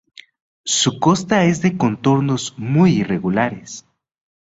Su costa es de contornos muy irregulares.